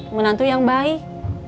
menantu yang baik